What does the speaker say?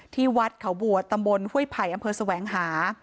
ที่วัดเขาบัวตำบลห้วยไผ่อำเภอแสวงหา